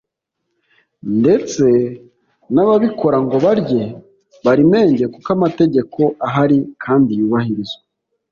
ndetse n’ababikora ngo barye bari menge kuko amategeko ahari kandi yubahirizwa